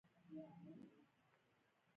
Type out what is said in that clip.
هغې وويل هسې دا ځای مې خوښ شو.